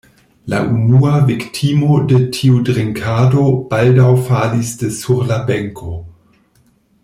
La unua viktimo de tiu drinkado baldaŭ falis de sur la benko.